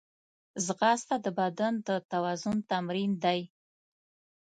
ځغاسته د بدن د توازن تمرین دی